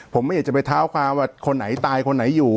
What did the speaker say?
ผมไม่อยากจะไปเท้าความว่าคนไหนตายคนไหนอยู่